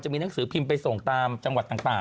มีหนังสือพิมพ์ไปส่งตามจังหวัดต่าง